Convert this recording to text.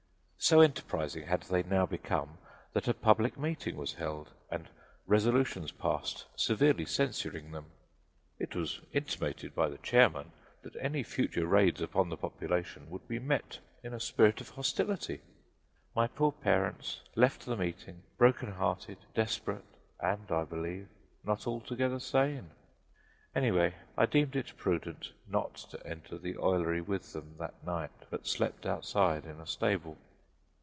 So enterprising had they now become that a public meeting was held and resolutions passed severely censuring them. It was intimated by the chairman that any further raids upon the population would be met in a spirit of hostility. My poor parents left the meeting broken hearted, desperate and, I believe, not altogether sane. Anyhow, I deemed it prudent not to enter the oilery with them that night, but slept outside in a stable.